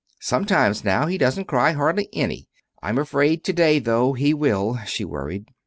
Sometimes, now, he doesn't cry hardly any. I'm afraid, to day, though, he will," she worried.